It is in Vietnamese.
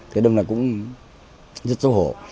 thế nên là cũng rất xấu hổ